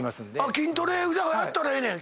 筋トレじゃあやったらええねん。